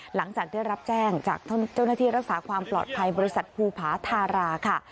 หลังจากได้รับแจ้งจากเจ้าหน้าที่รักษาความปลอดภัยบริษัทภูผาธาราค่ะ